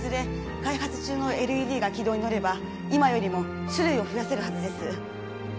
開発中のＬＥＤが軌道に乗れば今よりも種類を増やせるはずです